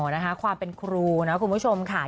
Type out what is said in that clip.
นะคะความเป็นครูนะคุณผู้ชมค่ะ